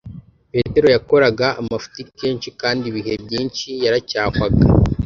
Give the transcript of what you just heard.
Petero yakoraga amafuti kenshi kandi ibihe byinshi yaracyahwaga